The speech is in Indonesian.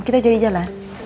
kita jadi jalan